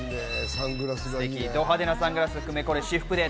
ど派手なサングラス、これ私服です。